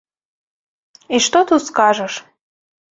І што тут скажаш?